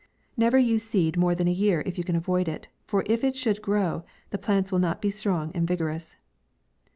Never use seed more than a year if you can avoid it, for if it should grow, the plants will not be strong and vigo rous.